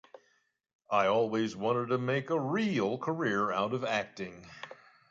I always wanted to make a real career out of acting.